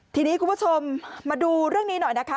ทีนี้คุณผู้ชมมาดูเรื่องนี้หน่อยนะคะ